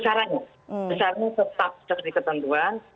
sarannya tetap seperti ketentuan